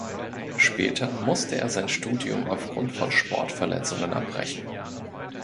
Später musste er sein Studium aufgrund von Sportverletzungen abbrechen.